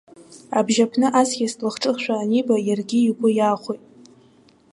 Абжьааԥны аҵкыс длахҿыхызшәа аниба иаргьы игәы иаахәеит.